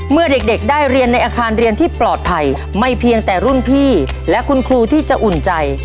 เมื่อเด็กได้เรียนในอาคารเรียนที่ปลอดภัยไม่เพียงแต่รุ่นพี่และคุณครูที่จะอุ่นใจ